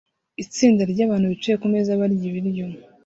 Itsinda ryabantu bicaye kumeza barya ibiryo